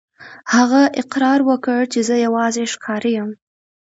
هغه اقرار وکړ چې زه یوازې ښکاري یم.